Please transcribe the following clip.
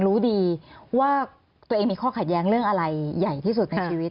รู้ดีว่าตัวเองมีข้อขัดแย้งเรื่องอะไรใหญ่ที่สุดในชีวิต